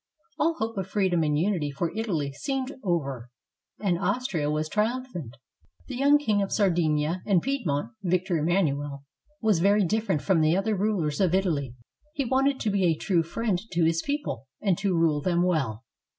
All hope of freedom and unity for Italy seemed over, and Austria was triumphant. The young King of Sardinia and Piedmont, Victor Emmanuel, was very different from the other rulers of Italy. He wanted to be a true friend to his people and to rule them well.